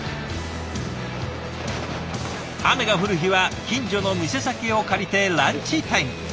雨が降る日は近所の店先を借りてランチタイム。